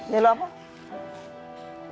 ya lu apa